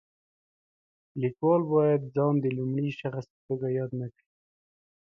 لیکوال باید ځان د لومړي شخص په توګه یاد نه کړي.